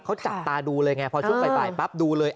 เขาจับตาดูเลยไงพอช่วงบ่ายปั๊บดูเลย